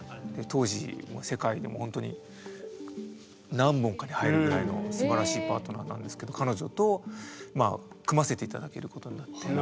当時も世界でも本当に何本かに入るぐらいのすばらしいパートナーなんですけど彼女と組ませて頂けることになって。